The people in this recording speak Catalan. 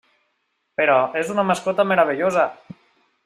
Però és una mascota meravellosa.